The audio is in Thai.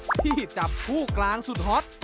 ที่จับคู่กลางสุดฮอต